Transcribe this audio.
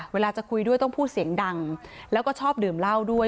เวลาจะคุยด้วยต้องพูดเสียงดังแล้วก็ชอบดื่มเหล้าด้วย